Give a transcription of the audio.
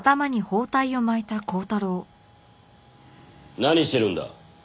何してるんだ？